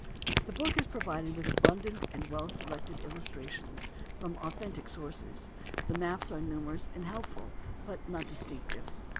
The book is provided with abundant and well selected illustrations, from authentic sources; the maps are numerous and helpful, but not distinctive.